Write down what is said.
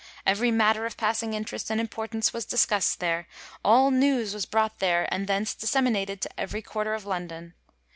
Every matter of passing interest and importance was discust there ; all news was brought there and thence disseminated to every quarter of London.